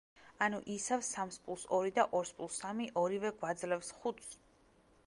ანუ, ისევ, სამს პლუს ორი და ორს პლუს სამი ორივე გვაძლევს ხუთს.